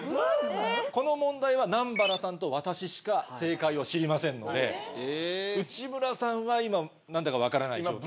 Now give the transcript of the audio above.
この問題は南原さんと私しか正解を知りませんので内村さんは何だか分からない状態。